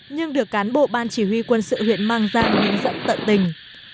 nhưng được cán bộ ban chỉ huy quân sự huyện mang giang hướng dẫn tận tình